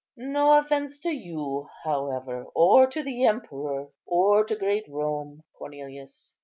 No offence to you, however, or to the emperor, or to great Rome, Cornelius.